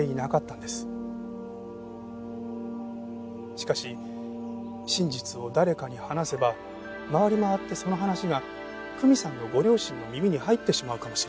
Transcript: しかし真実を誰かに話せば回り回ってその話が久美さんのご両親の耳に入ってしまうかもしれない。